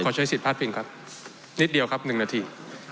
ขอใช้สิทธิ์พาสพิงครับนิดเดียวครับหนึ่งนาที